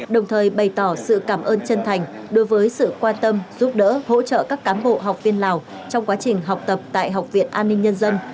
đồng thời bày tỏ sự cảm ơn chân thành đối với sự quan tâm giúp đỡ hỗ trợ các cám bộ học viên lào trong quá trình học tập tại học viện an ninh nhân dân